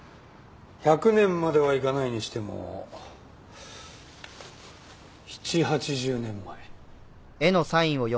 １００年まではいかないにしても７０８０年前。